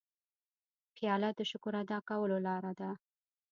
پیاله د شکر ادا کولو لاره ده.